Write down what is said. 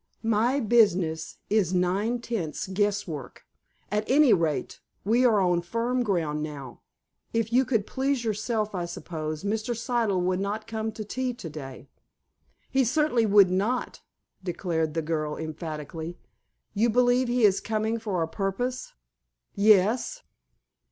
"My business is nine tenths guesswork. At any rate, we are on firm ground now. If you could please yourself, I suppose, Mr. Siddle would not come to tea to day!" "He certainly would not," declared the girl emphatically. "You believe he is coming for a purpose?" "Yes."